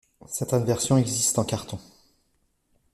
Certaines versions existent en carton.